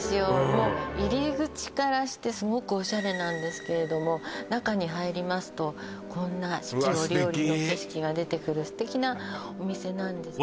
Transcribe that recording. もう入り口からしてすごくオシャレなんですけれども中に入りますとこんなうわっ素敵四季折々の景色が出てくる素敵なお店なんです